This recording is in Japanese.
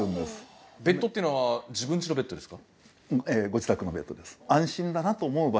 ベッドっていうのはご自宅のベッドです